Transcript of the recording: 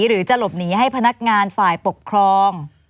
หรือจะหลบหนีให้พนักงานฝ่ายปกครอง